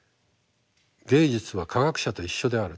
芸術は科学者と一緒である。